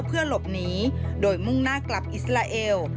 เพื่อหลบหนีโดยมุ่งหน้ากลับอิสราเอล